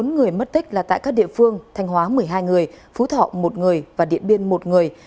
bốn người mất tích là tại các địa phương thanh hóa một mươi hai người phú thọ một người và điện biên một người